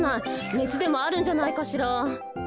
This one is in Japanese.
ねつでもあるんじゃないかしら。